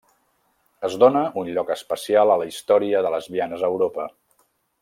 Es dóna un lloc especial a la història de lesbianes a Europa.